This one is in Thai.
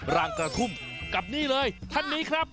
รางกระทุ่มกับนี่เลยท่านนี้ครับ